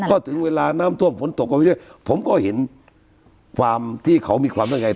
ก็ถึงเวลาน้ำท่วมฝนตกกันไปเรื่อยผมก็เห็นความที่เขามีความได้ไง